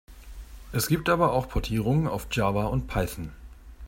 Es gibt aber auch Portierungen auf Java und Python.